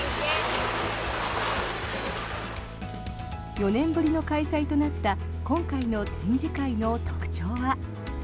４年ぶりの開催となった今回の展示会の特徴は。